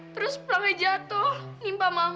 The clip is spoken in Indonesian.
terus prangai jatuh nipa mama